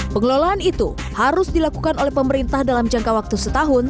pengelolaan itu harus dilakukan oleh pemerintah dalam jangka waktu setahun